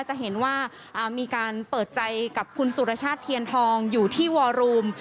จะเห็นว่ามีการเปิดใจกับคุณสุรชาติเทียนทองอยู่ที่วอรูม